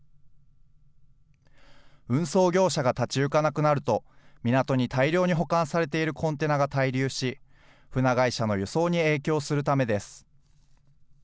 運送業者が立ち行かなくなると、港に大量に保管されているコンテナが滞留し、船会社の輸送に影響するためです。